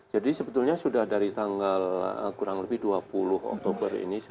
jadi sebetulnya sudah dari tanggal kurang lebih dua puluh oktober ini